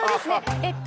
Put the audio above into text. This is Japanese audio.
えっと